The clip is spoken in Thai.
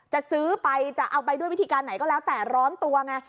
จะซื้อไปจะเอาไปด้วยวิธีการไหนก็แล้วแต่ร้อนตัวไง